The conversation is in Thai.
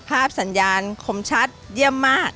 สัญญาณคมชัดเยี่ยมมาก